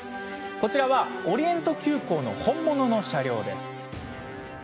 こちらはオリエント急行の本物の車両です。